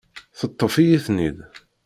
Teṭṭef-iyi-ten-id.